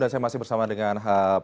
dan saya masih bersama dengan